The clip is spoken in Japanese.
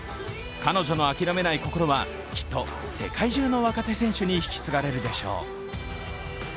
彼女の諦めない心は、きっと世界中の若手選手に引き継がれるでしょう。